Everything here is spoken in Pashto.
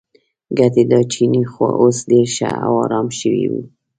ګنې دا چینی خو اوس ډېر ښه او ارام شوی و.